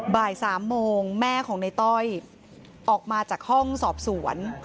บ่าย๓โมงแม่ของในต้อยออกมาจากห้องสอบสวน